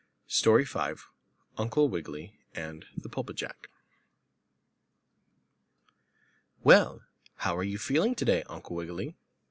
STORY V UNCLE WIGGILY AND THE PULPIT JACK "Well, how are you feeling today, Uncle Wiggily?"